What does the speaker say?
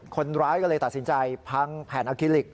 คนร้ายก็เลยตัดสินใจพังแผ่นอาคิลิก